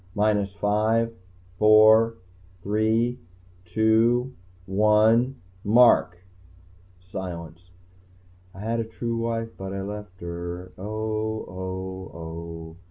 "Minus five ... four ... three ... two ... one ... mark!" Silence. _I had a true wife but I left her ... oh, oh, oh.